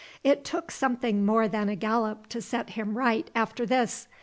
It took something more than a gallop to set him right after this.